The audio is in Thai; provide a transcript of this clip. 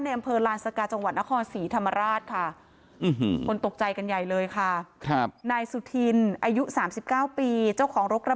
ในอำเภอลาญสกาจังหวัดนคร